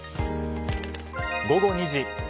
午後２時。